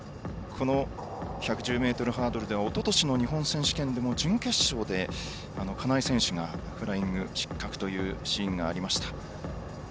１１０ｍハードルではおととしの日本選手権の準決勝で金井選手がフライング失格というシーンがありました。